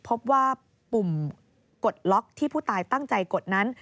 พบว่าปุ่มกดล็อกที่ผู้ตายตั้งใจกดนั้น